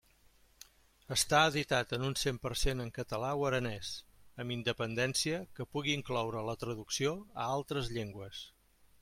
Estar editat en un cent per cent en català o aranès, amb independència que pugui incloure la traducció a altres llengües.